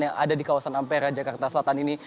yang ada di kawasan ampera jakarta selatan ini